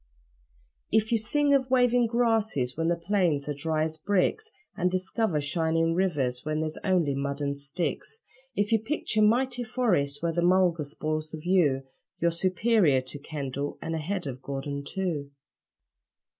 If you sing of waving grasses when the plains are dry as bricks, And discover shining rivers where there's only mud and sticks; If you picture 'mighty forests' where the mulga spoils the view You're superior to Kendall, and ahead of Gordon too.